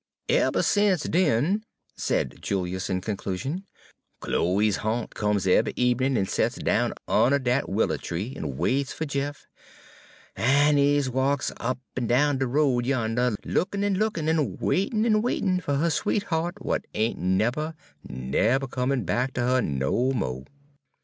"Eber sence den," said Julius in conclusion, "Chloe's ha'nt comes eve'y ebenin' en sets down unner dat willer tree en waits fer Jeff, er e'se walks up en down de road yander, lookin' en lookin', en waitin' en waitin', fer her sweethea't w'at ain' neber, neber come back ter her no mo'."